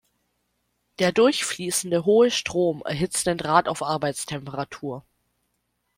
Der durchfließende hohe Strom erhitzt den Draht auf Arbeitstemperatur.